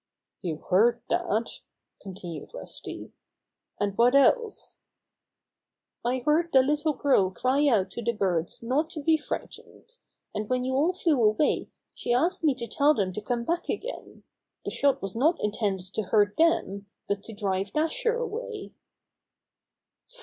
"You heard that?" continued Rusty. "And what else?" "I heard the little girl cry out to the birds not to be frightened, and when you all flew away she asked me to tell them to come back again. The shot was not intended to hurt them, but to drive Dasher away."